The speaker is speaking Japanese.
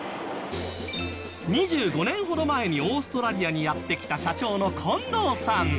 ２５年ほど前にオーストラリアにやって来た社長の近藤さん。